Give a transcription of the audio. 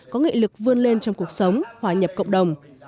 có nghị lực vươn lên trong cuộc sống hòa nhập cộng đồng